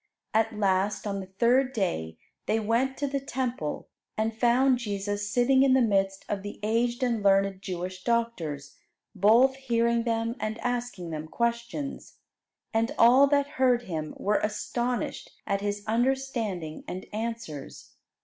At last, on the third day, they went to the Temple, and found Jesus sitting in the midst of the aged and learned Jewish doctors, both hearing them and asking them questions. "And all that heard Him were astonished at His understanding and answers."